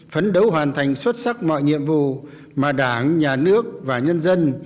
phấn đấu hoàn thành xuất sắc mọi nhiệm vụ mà đảng nhà nước và nhân dân